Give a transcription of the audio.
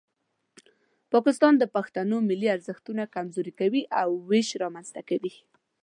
پاکستان د پښتنو ملي ارزښتونه کمزوري کوي او ویش رامنځته کوي.